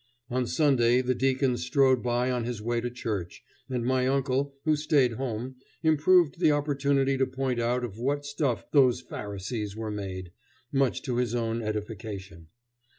On Sunday the deacon strode by on his way to church, and my uncle, who stayed home, improved the opportunity to point out of what stuff those Pharisees were made, much to his own edification.